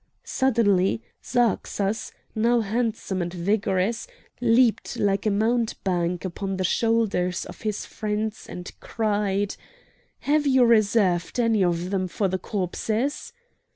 Suddenly Zarxas, now handsome and vigorous, leaped like a mountebank upon the shoulders of his friends and cried: "Have you reserved any of them for the corpses?"